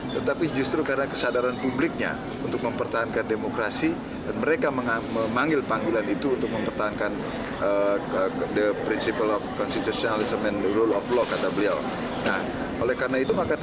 tetapi justru karena kesadaran publiknya untuk mempertahankan demokrasi dan mereka memanggil panggilan itu untuk mempertahankan